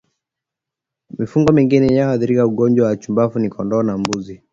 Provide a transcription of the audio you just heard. Mifugo mingine inayoathirika na ugonjwa wa chambavu ni kondoo na mbuzi